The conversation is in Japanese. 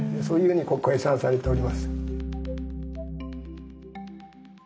そういうふうに計算されております。